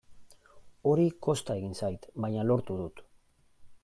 Hori kosta egin zait, baina lortu dut.